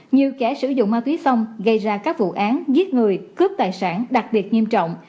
như kẻ sử dụng ma túy xong gây ra các vụ án giết người cướp tài sản đặc biệt nghiêm trọng